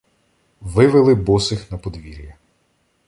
Вивели босих на подвір'я.